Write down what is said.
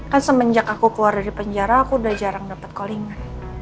kan semenjak aku keluar dari penjara aku udah jarang dapat collinga